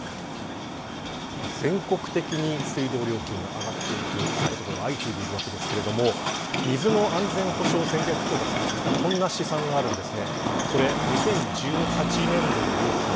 全国的に水道料金が上がっていくそういった所が相次いでいるわけですが水の安全保障戦略機構が算出したこんな試算があります。